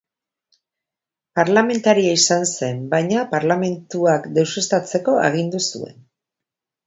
Parlamentaria izan zen, baina parlamentuak deuseztatzeko agindu zuen.